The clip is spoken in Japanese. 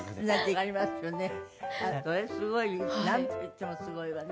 なんといってもすごいわね。